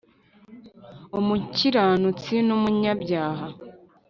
Umukiranutsi numunyabyaha